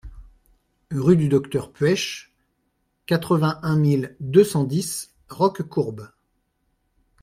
Rue du Docteur Puech, quatre-vingt-un mille deux cent dix Roquecourbe